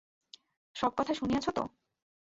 সব কথা শুনিয়াছ তো?